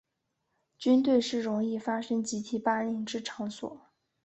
军队是容易发生集体霸凌之场所。